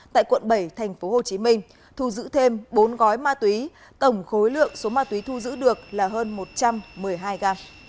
tại quận bảy thành phố hồ chí minh thu giữ thêm bốn gói ma túy tổng khối lượng số ma túy thu giữ được là hơn một trăm một mươi hai g